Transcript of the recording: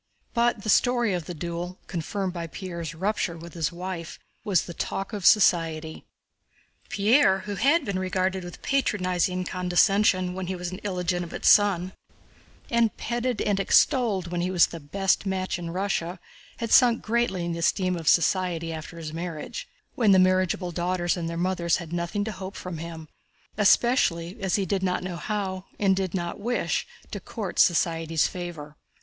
But the story of the duel, confirmed by Pierre's rupture with his wife, was the talk of society. Pierre who had been regarded with patronizing condescension when he was an illegitimate son, and petted and extolled when he was the best match in Russia, had sunk greatly in the esteem of society after his marriage—when the marriageable daughters and their mothers had nothing to hope from him—especially as he did not know how, and did not wish, to court society's favor.